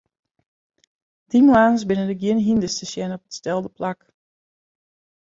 Dy moarns binne der gjin hynders te sjen op it stelde plak.